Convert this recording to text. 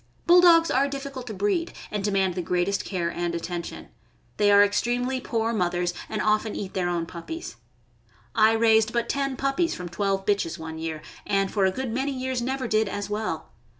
Bulldogs are difficult to breed, and demand the greatest care and atten tion. They are extremely poor mothers, and often eat their own puppies. I raised but ten puppies from twelve bitches one year, and for a good many years never did as well.